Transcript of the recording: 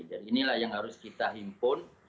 dan inilah yang harus kita himpun